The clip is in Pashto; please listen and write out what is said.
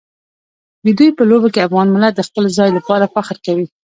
د دوی په لوبو کې افغان ملت د خپل ځای لپاره فخر کوي.